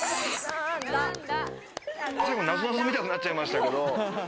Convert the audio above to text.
最後なぞなぞみたくなっちゃいましたけど。